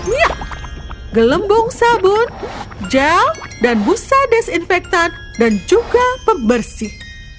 iya gelembung sabun jel dan busa desinfektan dan juga pembersih